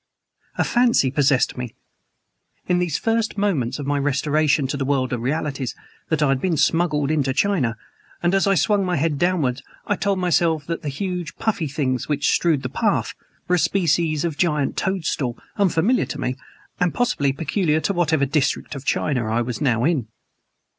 A fancy possessed me, in these the first moments of my restoration to the world of realities, that I had been smuggled into China; and as I swung head downward I told myself that the huge, puffy things which strewed the path were a species of giant toadstool, unfamiliar to me and possibly peculiar to whatever district of China I now was in.